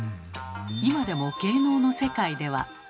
今でも芸能の世界では。